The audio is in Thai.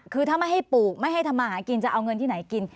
คือถ้าไม่ให้ปลูกไม่ให้ทำมาหากินจะเอาเงินที่ไหนกิน